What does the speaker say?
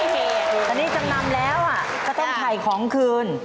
อันนี้จำนำแล้วก็ต้องถ่ายของคืน